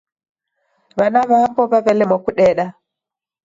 W'ana w'apo w'aw'elemwa kudeda.